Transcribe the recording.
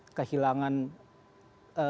jadi mereka kehilangan sesuatu yang paling penting